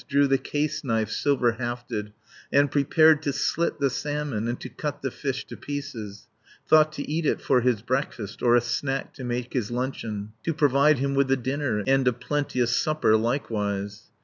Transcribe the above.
Drew the case knife, silver hafted, And prepared to slit the salmon, And to cut the fish to pieces, Thought to eat it for his breakfast. Or a snack to make his luncheon, 80 To provide him with a dinner, And a plenteous supper likewise.